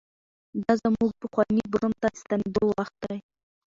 دا زموږ پخواني برم ته د ستنېدو وخت دی.